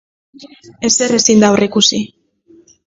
Ezer ezin da aurreikusi.